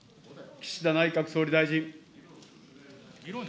岸田内閣総理大臣。